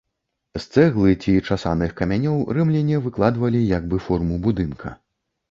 З цэглы ці часаных камянёў рымляне выкладвалі як бы форму будынка.